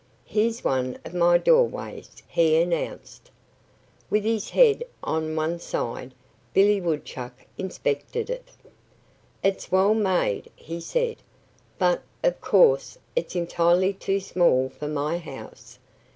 "Here's one of my doorways," he announced. With his head on one side, Billy Woodchuck inspected it. "It's well made," he said, "but of course it's entirely too small for my house.